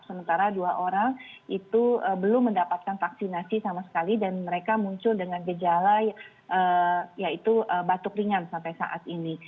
sementara dua orang itu belum mendapatkan vaksinasi sama sekali dan mereka muncul dengan gejala yaitu batuk ringan sampai saat ini